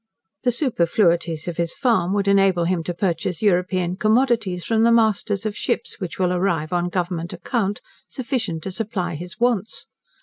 The superfluities of his farm would enable him to purchase European commodities from the masters of ships, which will arrive on Government account, sufficient to supply his wants.